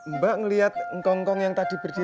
mbak ngeliat ngkongkong yang tadi beritahu